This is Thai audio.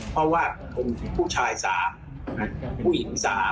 เพราะว่าผู้ชาย๓ผู้หญิง๓